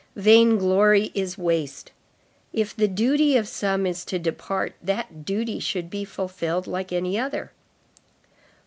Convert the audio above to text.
Vain glory is waste. If the duty of some is to depart, that duty should be fulfilled like any other."